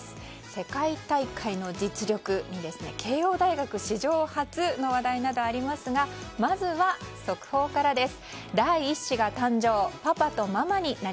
世界大会の実力に慶應大学史上初の話題などありますがまずは速報からです。